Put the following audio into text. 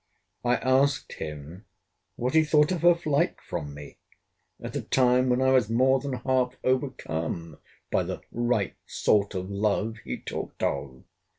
I asked him, what he thought of her flight from me, at a time when I was more than half overcome by the right sort of love he talked of?